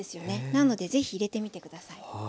なのでぜひ入れてみて下さい。